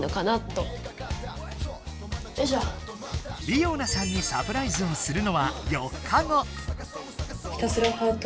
りおなさんにサプライズをするのは４日後！